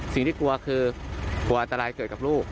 สิ่งที่กลัวคือกลัวอันตรายเกิดกับลูก